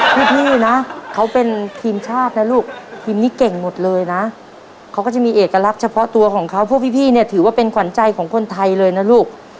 พี่นะเขาเป็นทีมชาตินะลูกทีมนี้เก่งหมดเลยนะเขาก็จะมีเอกลักษณ์เฉพาะตัวของเขาเพราะพี่เนี่ยถือว่าเป็นขวัญใจของคนไทยเลยนะลูก